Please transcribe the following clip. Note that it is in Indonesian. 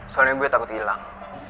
soalnya gue takut hilang